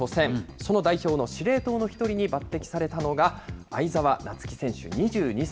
その代表の司令塔の一人に抜てきされたのが、相澤菜月選手２２歳。